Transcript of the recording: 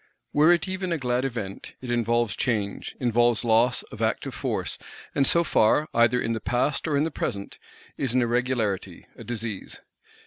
Were it even a glad Event, it involves change, involves loss (of active Force); and so far, either in the past or in the present, is an irregularity, a disease.